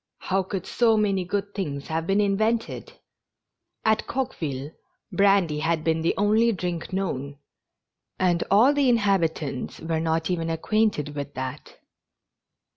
How could so many good things have been invented ! At Coqueville brandy had been the only drink known, and all the inhabitants were not even acquainted with that.